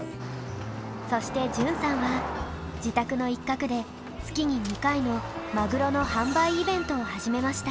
そして潤さんは自宅の一角で月に２回のマグロの販売イベントを始めました。